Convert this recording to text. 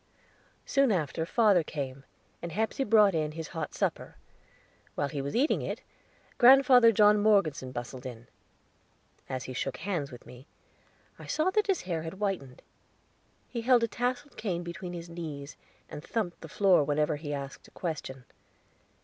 Soon after father came, and Hepsey brought in his hot supper; while he was eating it, Grandfather John Morgeson bustled in. As he shook hands with me, I saw that his hair had whitened; he held a tasseled cane between his knees, and thumped the floor whenever he asked a question.